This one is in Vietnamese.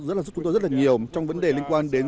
rất là giúp chúng tôi rất là nhiều trong vấn đề liên quan đến